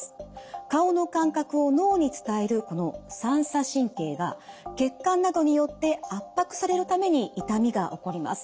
顔の感覚を脳に伝えるこの三叉神経が血管などによって圧迫されるために痛みが起こります。